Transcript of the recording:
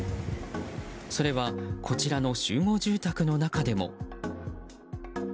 それはこちらの集合住宅の中でも。